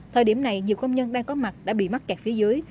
thời điểm này nhiều công nhân đang có mặt đã bị mắc kẹt phía dưới